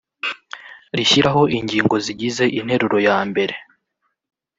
rishyiraho ingingo zigize interuro ya mbere